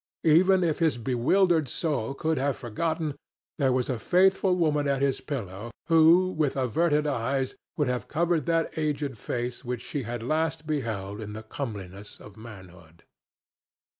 Even if his bewildered soul could have forgotten, there was a faithful woman at his pillow who with averted eyes would have covered that aged face which she had last beheld in the comeliness of manhood.